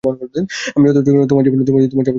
আর যতদূর জানি, তোমার জীবন তোমার চাকরিকে আবৃত করে ঘোরে।